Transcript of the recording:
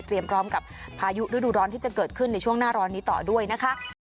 พร้อมกับพายุฤดูร้อนที่จะเกิดขึ้นในช่วงหน้าร้อนนี้ต่อด้วยนะคะ